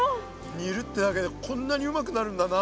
煮るってだけでこんなにうまくなるんだな。